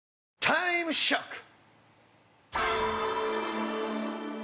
タイムショック！